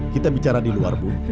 kita bicara di luar pun